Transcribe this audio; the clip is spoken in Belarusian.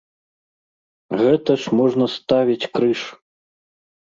Гэта ж можна ставіць крыж!